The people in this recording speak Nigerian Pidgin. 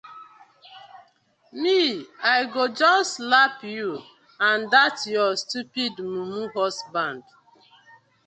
Mi I go just slap yu and dat yur stupid mumu husband.